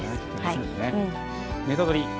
「ネタドリ！」